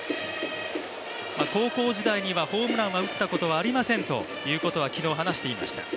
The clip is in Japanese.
高校時代にはホームランを打ったことはありませんと昨日話してはいました。